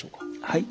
はい。